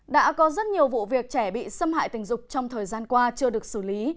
đã có rất nhiều vụ việc trẻ bị xâm hại tình dục trong thời gian qua chưa được xử lý